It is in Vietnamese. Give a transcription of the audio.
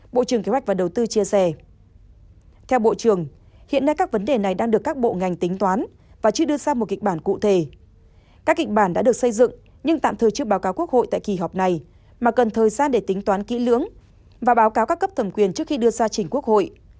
bộ kế hoạch và đầu tư cũng đề cập đến các giải pháp sự kiến của chương trình phục hồi và phát triển kinh tế xã hội